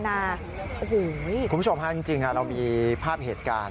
คุณผู้ชมฮะจริงเรามีภาพเหตุการณ์